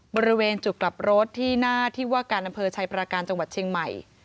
บริเวณจุดกลับรถที่หน้าที่ว่าการอำเภอชัยประการจังหวัดเชียงใหม่